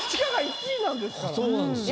でもそうなんですよね。